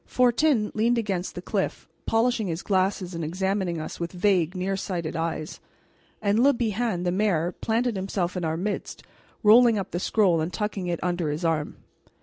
Fortin leaned against the cliff, polishing his glasses and examining us with vague, near sighted eyes; and Le Bihan, the mayor, planted himself in our midst, rolling up the scroll and tucking it under his arm.